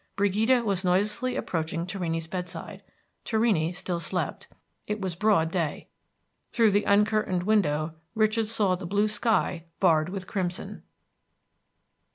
Brigida was noiselessly approaching Torrini's bedside. Torrini still slept. It was broad day. Through the uncurtained window Richard saw the blue sky barred with crimson.